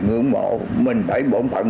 ngưỡng mộ mình phải bổn phận